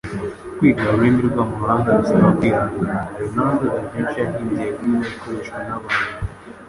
Kwiga ururimi rwamahanga bisaba kwihangana. Leonardo da Vinci yahimbye glider ikoreshwa n'abantu.